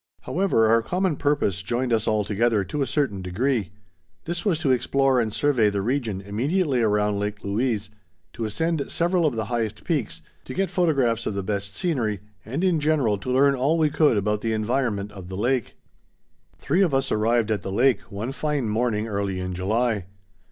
However, our common purpose joined us all together to a certain degree. This was to explore and survey the region immediately around Lake Louise, to ascend several of the highest peaks, to get photographs of the best scenery, and in general to learn all we could about the environment of the lake. Three of us arrived at the lake one fine morning early in July.